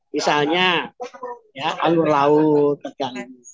misalnya ya alur laut ikan